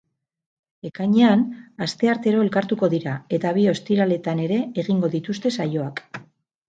Ekainean, asteartero elkartuko dira, eta bi ostiraletan ere egingo dituzte saioak.